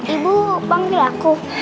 ibu panggil aku